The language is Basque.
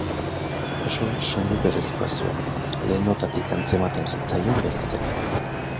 Oso soinu berezkoa zuen, lehen notatik antzematen zitzaion bera zela.